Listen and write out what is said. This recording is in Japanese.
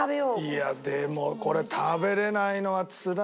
いやでもこれ食べれないのはつらいな。